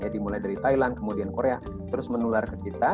dimulai dari thailand kemudian korea terus menular ke kita